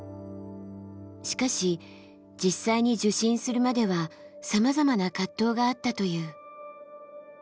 しかし実際に受診するまではさまざまな葛藤があったという。